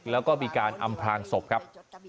แล้วก็มีการอำพลางศพครับ